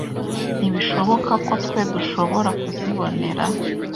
ntibishoboka ko twe dushobora kuzibonera